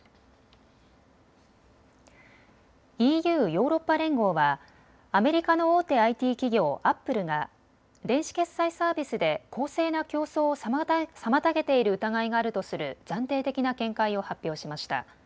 ＥＵ・ヨーロッパ連合はアメリカの大手ＩＴ企業、アップルが電子決済サービスで公正な競争を妨げている疑いがあるとする暫定的な見解を発表しました。